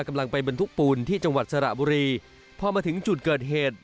กำลังไปบรรทุกปูนที่จังหวัดสระบุรีพอมาถึงจุดเกิดเหตุ